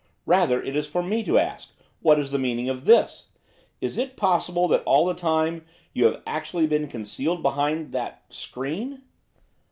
'Rather it is for me to ask, what is the meaning of this! Is it possible, that, all the time, you have actually been concealed behind that screen?